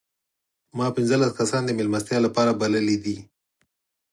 ما پنځلس کسان د مېلمستیا لپاره بللي دي.